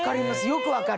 よく分かる。